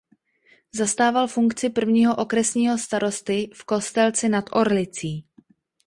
Zastával funkci prvního okresního starosty v Kostelci nad Orlicí.